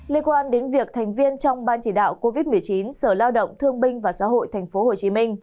liên quan đến việc thành viên trong ban chỉ đạo covid một mươi chín sở lao động thương binh và xã hội tp hcm